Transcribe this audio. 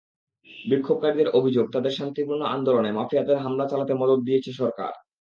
বিক্ষোভকারীদের অভিযোগ, তাদের শান্তিপূর্ণ আন্দোলনে মাফিয়াদের হামলা চালাতে মদদ দিয়েছে সরকার।